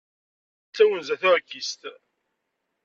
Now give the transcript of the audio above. D tawenza tuɛkist.